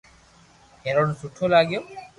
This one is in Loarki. ھيرن سٺو لاگيو